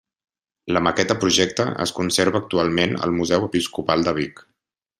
La maqueta projecte es conserva actualment al Museu Episcopal de Vic.